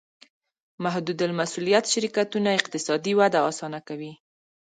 محدودالمسوولیت شرکتونه اقتصادي وده اسانه کوي.